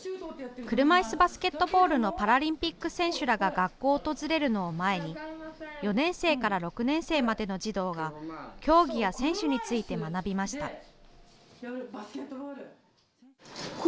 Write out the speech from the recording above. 車いすバスケットボールのパラリンピック選手らが学校を訪れるのを前に４年生から６年生までの児童が競技や選手について学びました。